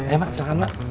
ya mak silahkan mak